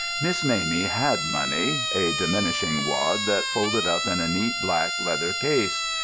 Miss Mamie had money, a diminishing wad that folded up in a neat black leather case.